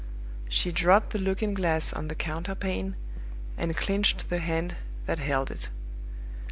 She dropped the looking glass on the counterpane, and clinched the hand that held it.